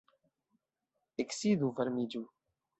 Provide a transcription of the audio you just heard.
Eksidu, varmiĝu.